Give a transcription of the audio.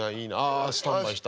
あスタンバイした。